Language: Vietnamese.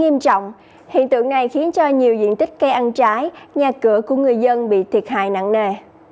nghiêm trọng hiện tượng này khiến cho nhiều diện tích cây ăn trái nhà cửa của người dân bị thiệt hại nặng nề